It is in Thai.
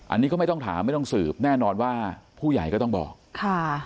อันนี้ก็ไม่ต้องถามไม่ต้องสืบแน่นอนว่าผู้ใหญ่ก็ต้องบอกค่ะ